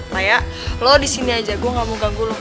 raya lo disini aja gue gak mau ganggu lo